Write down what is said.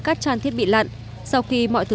các trang thiết bị lặn sau khi mọi thứ